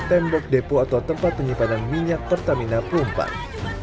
tembok depo atau tempat penyimpanan minyak pertamina pelumpang